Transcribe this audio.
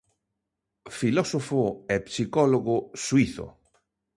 Filósofo e psicólogo suízo.